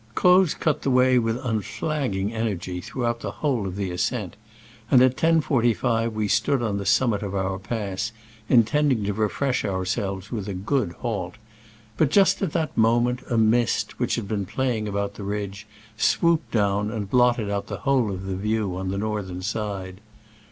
Croz cut the way with unflagging en ergy throughout the whole of the ascent, and at 10.45 we stood on the summit of our pass, intending to refresh ourselves with a good halt ; but just at that mo ment a mist, which had been playing about the ridge, swooped down and blotted out the whole of the view on the northern side.